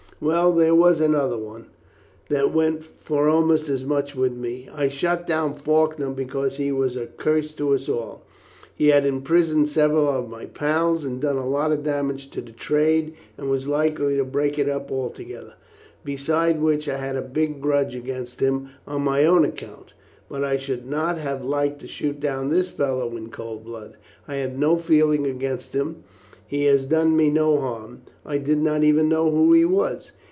"Well, there was another one that went for almost as much with me. I shot down Faulkner because he was a curse to us all. He had imprisoned several of my pals, and done a lot of damage to the trade, and was likely to break it up altogether, besides which I had a big grudge against him on my own account. But I should not have liked to shoot down this fellow in cold blood. I had no feeling against him; he has done me no harm; I did not even know who he was.